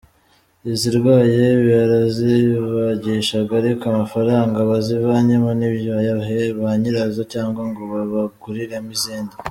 Izirwaye barazibagishaga, ariko amafaranga bazivanyemo ntibayahe ba nyirazo cyangwa ngo babaguriremo izindi."